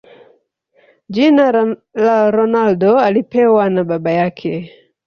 Jina la Ronaldo alipewa na baba yake